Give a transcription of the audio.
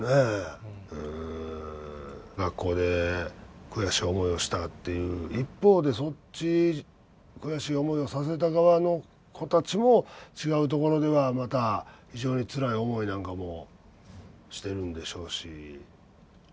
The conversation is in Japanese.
学校で悔しい思いをしたっていう一方でそっち悔しい思いをさせた側の子たちも違うところではまた非常につらい思いなんかもしてるんでしょうし。